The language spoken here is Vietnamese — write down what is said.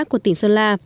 của tỉnh sơn la